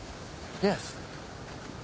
いや。